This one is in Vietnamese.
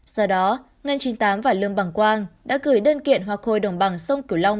do đó ngân chín mươi tám và lương bằng quang đã gửi đơn kiện hoa khôi đồng bằng sông kiểu long